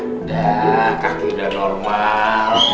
udah kaki udah normal